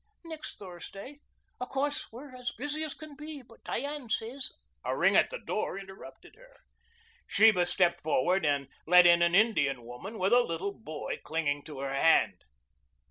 "Next Thursday. Of course, we're as busy as can be, but Diane says " A ring at the door interrupted her. Sheba stepped forward and let in an Indian woman with a little boy clinging to her hand.